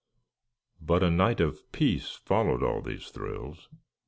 But a night of peace followed all these thrills.